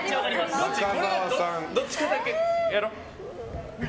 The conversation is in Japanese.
どっちかだけやろう。